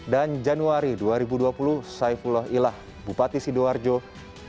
dan januari dua ribu dua puluh saifullah ilah bupati sidoarjo menjadi tersangka